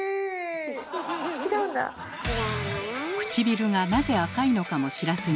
くちびるがなぜ赤いのかも知らずに。